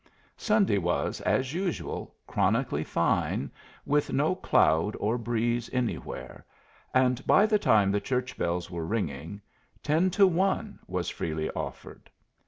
Sunday was, as usual, chronically fine, with no cloud or breeze anywhere, and by the time the church bells were ringing, ten to one was freely offered.